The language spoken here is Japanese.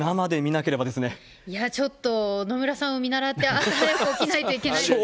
いや、ちょっと野村さんを見習って、朝早く起きないといけないですね。